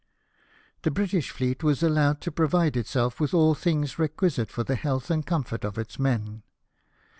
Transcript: The British fleet was allowed to provide itself with all things requisite for the health and comfort of its men.